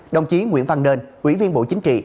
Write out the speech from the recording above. đồng chí nguyễn văn nên ủy viên bộ chính trị